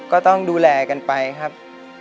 ก็ต้องดูแลกันไปครับ